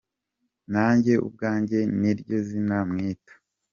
Nanjye ubwanjye niryo zina mwita.